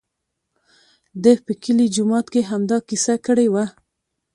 ده په کلي جومات کې همدا کیسه کړې وه.